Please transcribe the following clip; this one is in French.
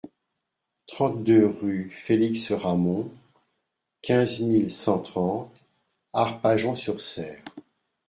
trente-deux rue Félix Ramond, quinze mille cent trente Arpajon-sur-Cère